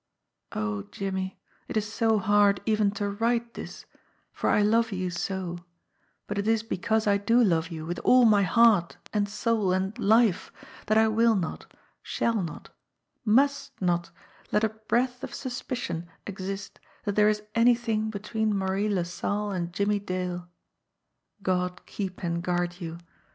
Oh, Jimmie, it is so hard even to write this, for I love you so ; but it is because I do love you with all my heart and soul and life that I will not, shall not, must not let a breath of suspicion exist that there is anything between Marie LaSalle and Jimmie Dale. God keep and guard you!